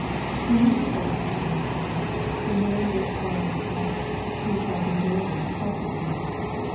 BE merciful unto me, O God : for man would swallow me up ; he fighting daily oppresseth me.